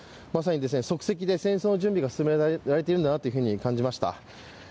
まさに即席で戦争の準備が進められているんだなと感じられました。